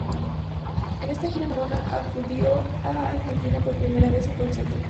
En esta gira Madonna acudió a Argentina por primera vez en concierto.